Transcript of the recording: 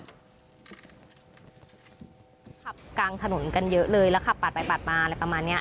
กลางถนนกันเยอะเลยแล้วขับปาดไปปาดมาอะไรประมาณนี้